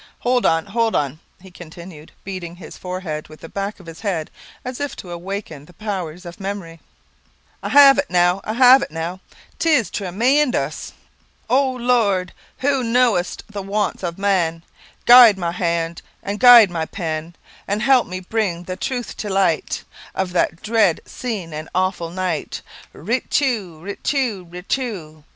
Hold on hold on " he continued, beating his forehead with the back of his hand, as if to awaken the powers of memory "I have it now I have it now, 'tis tre men dous " "Oh Lord, who know'st the wants of men, Guide my hand, and guide my pen, And help me bring the truth to light, Of that dread scene and awful night, Ri, tu, ri, tu, ri, tu.